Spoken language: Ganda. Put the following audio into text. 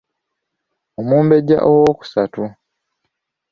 Omumbejja owookusatu.